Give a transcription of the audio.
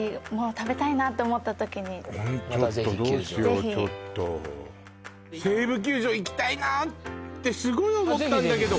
食べたいなって思った時にぜひちょっとどうしようちょっと西武球場行きたいなってすごい思ったんだけど